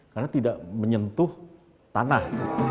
karena tidak menyentuh tanah